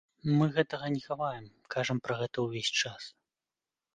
Мы гэтага не хаваем, кажам пра гэта ўвесь час.